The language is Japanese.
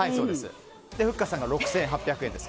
ふっかさんが６８００円。